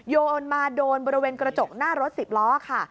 โยนมาโดนบริเวณกระจกหน้ารถ๑๐ล้อค่ะ